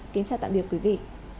kính chào tạm biệt quý vị